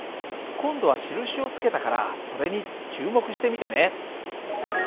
今度は印をつけたからそれに注目して見てね。